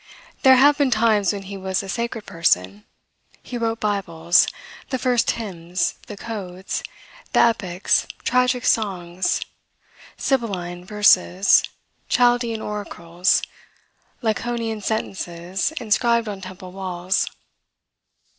There have been times when he was a sacred person; he wrote Bibles; the first hymns; the codes; the epics; tragic songs; Sibylline verses; Chaldean oracles; Laconian sentences inscribed on temple walls.